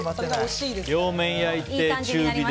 両面焼いて中火で。